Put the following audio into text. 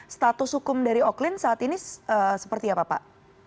status hukum dari oklin saat ini seperti apa pak